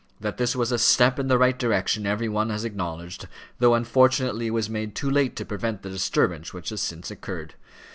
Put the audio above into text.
That this was a step in the right direction every one has acknowledged, though unfortunately it was made too late to prevent the disturbance which has since occurred.